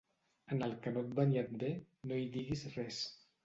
En el que no et va ni et ve, no hi diguis res.